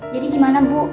jadi gimana bu